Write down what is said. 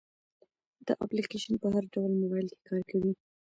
دا اپلیکیشن په هر ډول موبایل کې کار کوي.